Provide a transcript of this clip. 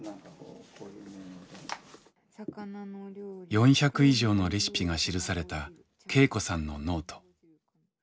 ４００以上のレシピが記された恵子さんのノート。